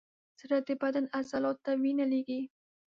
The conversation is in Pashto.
زړه د بدن عضلاتو ته وینه لیږي.